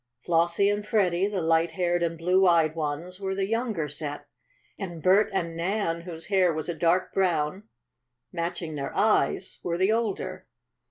Flossie and Freddie, the light haired and blue eyed ones, were the younger set, and Bert and Nan, whose hair was a dark brown, matching their eyes, were the older.